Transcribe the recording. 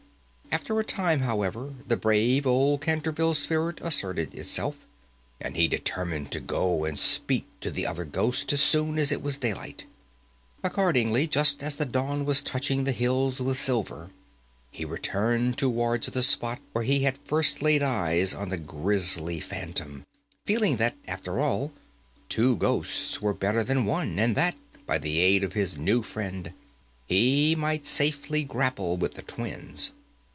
After a time, however, the brave old Canterville spirit asserted itself, and he determined to go and speak to the other ghost as soon as it was daylight. Accordingly, just as the dawn was touching the hills with silver, he returned towards the spot where he had first laid eyes on the grisly phantom, feeling that, after all, two ghosts were better than one, and that, by the aid of his new friend, he might safely grapple with the twins.